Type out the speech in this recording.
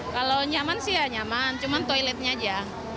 kalau nyaman sih ya nyaman cuma toiletnya aja